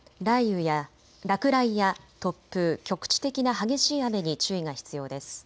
落雷や突風、局地的な激しい雨に注意が必要です。